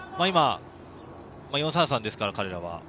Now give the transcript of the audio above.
４−３−３ですから、彼は。